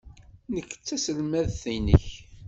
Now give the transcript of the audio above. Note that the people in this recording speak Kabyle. Nekk d taselmadt-nnek.